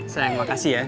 sayang makasih ya